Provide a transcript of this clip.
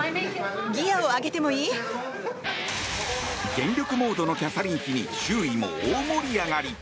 全力モードのキャサリン妃に周囲も大盛り上がり。